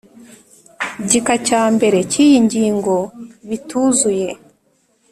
Gika cya mbere cy iyi ngingo bituzuye